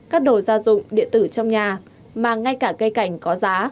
các đồ gia dụng điện tử trong nhà mà ngay cả cây cảnh có giá